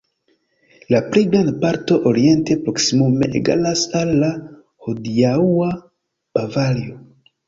La pli granda parto, oriente, proksimume egalas al la hodiaŭa Bavario.